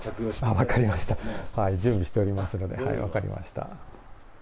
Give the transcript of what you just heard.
分かりました、準備しておりますので、分かりました。